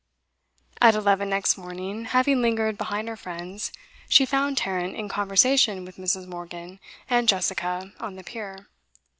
At eleven next morning, having lingered behind her friends, she found Tarrant in conversation with Mrs. Morgan and Jessica on the pier.